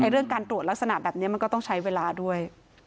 เรื่องการตรวจลักษณะแบบนี้มันก็ต้องใช้เวลาด้วย